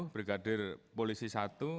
brigadir polisi satu